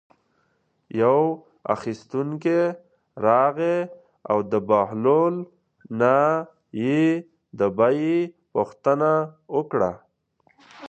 یو اخیستونکی راغی او د بهلول نه یې د بیې پوښتنه وکړه.